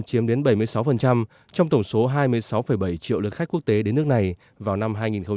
chiếm đến bảy mươi sáu trong tổng số hai mươi sáu bảy triệu lượt khách quốc tế đến nước này vào năm hai nghìn hai mươi